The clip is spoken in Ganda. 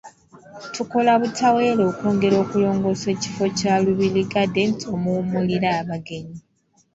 Tukola butaweera okwongera okulongoosa ekifo kya Lubiri Gardens omuwummulira abagenyi.